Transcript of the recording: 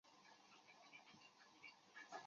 但特急因交换轨道而运转停车的机会亦不少。